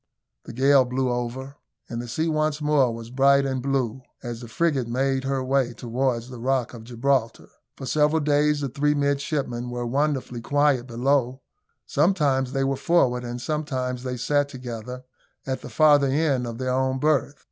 The gale blew over, and the sea once more was bright and blue, as the frigate made her way towards the Rock of Gibraltar. For several days the three midshipmen were wonderfully quiet below; sometimes they were forward, and sometimes they sat together at the farther end of their own berth.